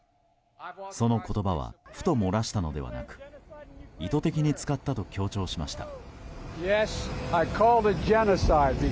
その言葉はふと漏らしたのではなく意図的に使ったと強調しました。